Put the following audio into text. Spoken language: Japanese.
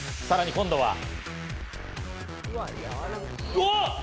さらに今度は。